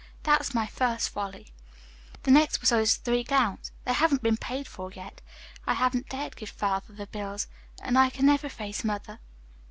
That was my first folly. "The next was those three gowns. They haven't been paid for yet. I haven't dared give father the bills, and I can never face mother.